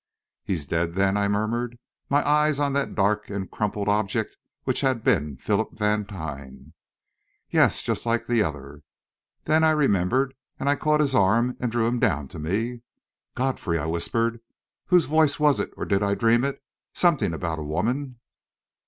"He's dead, then?" I murmured, my eyes on that dark and crumpled object which had been Philip Vantine. "Yes just like the other." Then I remembered, and I caught his arm and drew him down to me. "Godfrey," I whispered, "whose voice was it or did I dream it something about a woman?"